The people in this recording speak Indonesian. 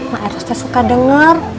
maeros itu suka denger